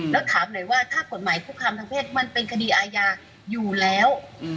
แล้วถามหน่อยว่าถ้ากฎหมายคุกคามทางเพศมันเป็นคดีอาญาอยู่แล้ว